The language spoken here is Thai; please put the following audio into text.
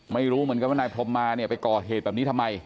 ไม่รู้เหมือนกันว่านายพรมมาเนี่ยไปก่อเหตุแบบนี้ทำไม